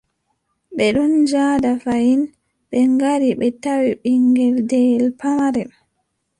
Ɓe ɗon njaada fayin, ɓe ngari, ɓe tawi, ɓiŋngel deyel famarel.